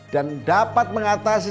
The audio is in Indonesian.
dan dapat mengatasi